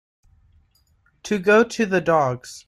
To go to the dogs.